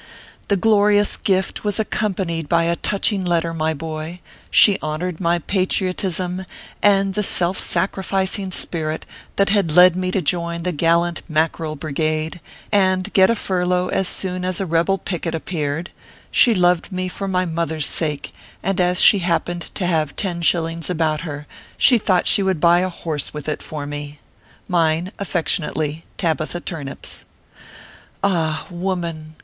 The glorious gift was accom panied by a touching letter, my boy ; she honored my patriotism, and the self sacrificing spirit that had led me to join the gallant Mackerel Brigade, and get a furlough as soon as a rebel picket appeared ; she loved me for my mother s sake, and as she happened to have ten shillings about her, she thought she would buy a horse with it for me. Mine, affectionately, Tabitha Turnips. 10 110 ORPHEUS C. KEER PAPERS. Ah, woman